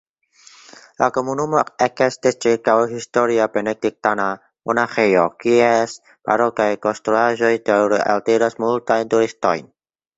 La komunumo ekestis ĉirkaŭ historia benediktana monaĥejo, kies barokaj konstruaĵoj daŭre altiras multajn turistojn.